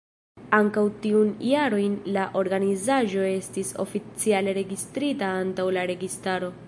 Ankaŭ tiun jaron la organizaĵo estis oficiale registrita antaŭ la registaro.